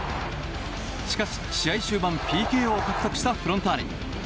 しかし、試合終盤ＰＫを獲得したフロンターレ。